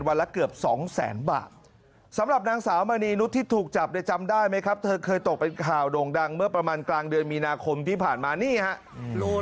เวลาโด่งดังเมื่อประมาณกลางเดือนมีนาคมที่ผ่านมานี่ครับ